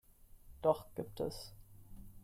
Doch gibt es.